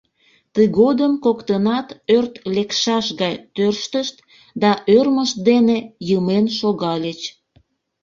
Тыгодым коктынат ӧрт лекшаш гай тӧрштышт да ӧрмышт дене йымен шогальыч.